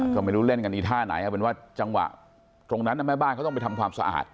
ก็ไม่รู้เล่นกันอีท่าไหนเอาเป็นว่าจังหวะตรงนั้นแม่บ้านเขาต้องไปทำความสะอาด